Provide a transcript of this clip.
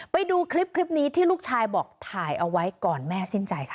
ไปดูคลิปนี้ที่ลูกชายบอกถ่ายเอาไว้ก่อนแม่สิ้นใจค่ะ